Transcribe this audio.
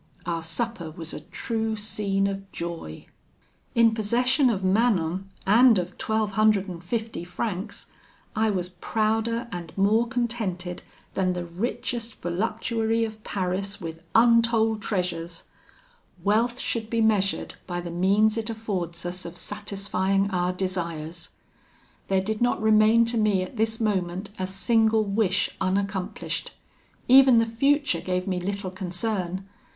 Our supper was a true scene of joy. "In possession of Manon and of twelve hundred and fifty francs, I was prouder and more contented than the richest voluptuary of Paris with untold treasures. Wealth should be measured by the means it affords us of satisfying our desires. There did not remain to me at this moment a single wish unaccomplished. Even the future gave me little concern.